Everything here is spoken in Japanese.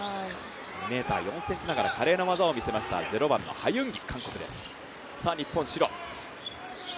２ｍ４ｃｍながら華麗な技を見せましたハ・ユンギ。